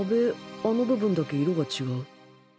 あの部分だけ色が違う。